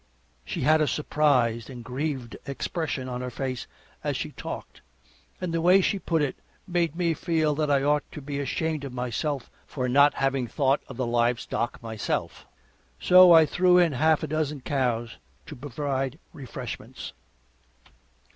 She had a surprised and grieved expression on her face as she talked, and the way she put it made me feel that I ought to be ashamed of myself for not having thought of the live stock myself. So I threw in a half dozen cows to provide the refreshments.